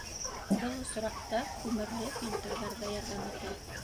Был осраҡта күмерле фильтрҙар ҙа ярҙам итә.